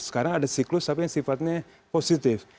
sekarang ada siklus apa yang sifatnya positif